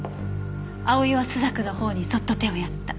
「葵は朱雀の頬にそっと手をやった」